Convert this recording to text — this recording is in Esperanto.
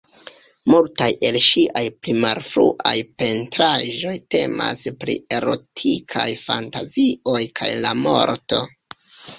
Multaj el ŝiaj pli malfruaj pentraĵoj temas pri erotikaj fantazioj kaj la morto.